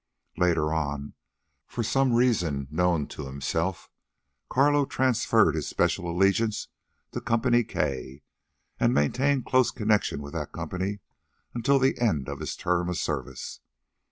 Later on, for some reason known to himself, Carlo transferred his special allegiance to Co. K. and maintained close connection with that company until the end of his term of service.